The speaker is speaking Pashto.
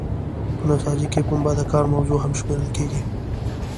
په نساجۍ کې پنبه د کار موضوع هم شمیرل کیږي.